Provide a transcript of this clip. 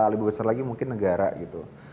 lebih besar lagi mungkin negara gitu